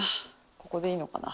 ここでいいのかな？